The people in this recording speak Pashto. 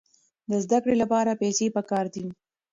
د زده کړې لپاره پیسې پکار دي.